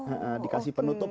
oh dikasih penutup